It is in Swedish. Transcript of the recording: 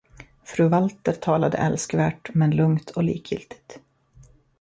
Fru Walter talade älskvärt men lugnt och likgiltigt.